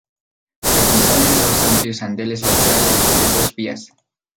Se compone de dos amplios andenes laterales y de dos vías.